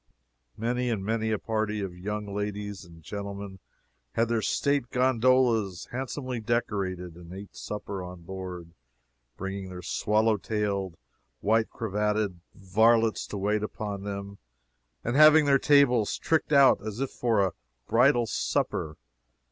Many and many a party of young ladies and gentlemen had their state gondolas handsomely decorated, and ate supper on board, bringing their swallow tailed, white cravatted varlets to wait upon them, and having their tables tricked out as if for a bridal supper.